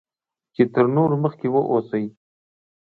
چې تر نورو مخکې واوسی